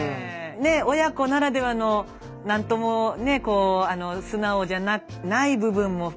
ね親子ならではの何ともね素直じゃない部分も含めてね